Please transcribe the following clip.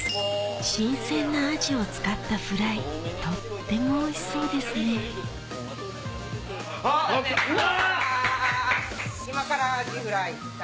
新鮮なアジを使ったフライとってもおいしそうですね来た！